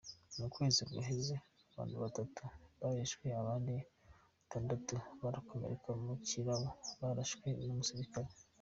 Mu kwezi guheze, abantu batatu barishwe abandi batandatu barakomereka, mu kirabo, barashwe n'umusirikare.